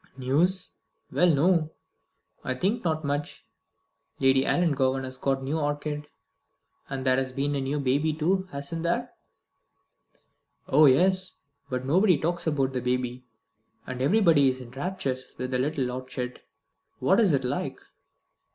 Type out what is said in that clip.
"News! Well, no, I think not much. Lady Ellangowan has got a new orchid." "And there has been a new baby, too, hasn't there?" "Oh yes. But nobody talks about the baby, and everybody is in raptures with the orchid." "What is it like?"